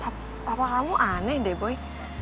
apa kamu aneh deh boy